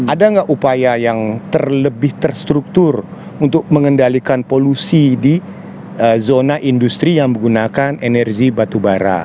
ada nggak upaya yang terlebih terstruktur untuk mengendalikan polusi di zona industri yang menggunakan energi batubara